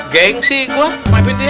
geng sih gua mbak binti ya